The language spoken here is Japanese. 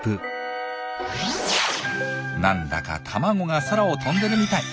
なんだか卵が空を飛んでるみたい。